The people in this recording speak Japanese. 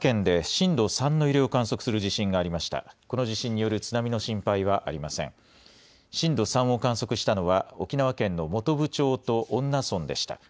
震度３を観測したのは沖縄県の本部町と恩納村でした。